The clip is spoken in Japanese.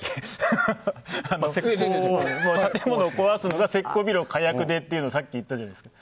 建物を壊すのが石膏のビルを火薬でってさっき言ったじゃないですか。